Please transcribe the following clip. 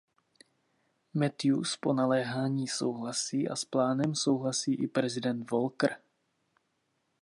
Matthews po naléhání souhlasí a s plánem souhlasí i prezident Walker.